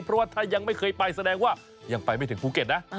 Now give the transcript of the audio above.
เพราะว่าถ้ายังไม่เคยไปแสดงว่ายังไปไม่ถึงภูเก็ตนะ